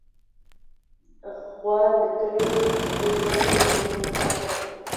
غوا د کلي د ژوند یوه مهمه برخه ده.